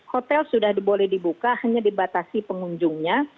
hotel sudah boleh dibuka hanya dibatasi pengunjungnya